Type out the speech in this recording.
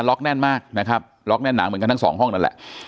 แน่นมากนะครับล็อกแน่นหนาเหมือนกันทั้งสองห้องนั่นแหละ